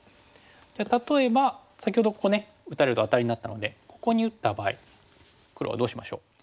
じゃあ例えば先ほどここね打たれるとアタリになったのでここに打った場合黒はどうしましょう？